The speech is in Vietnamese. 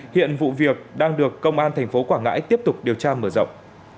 hiện vụ việc đang được công an tp quảng ngãi tiếp tục điều tra mở rộng